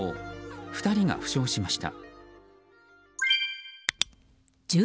２人が負傷しました。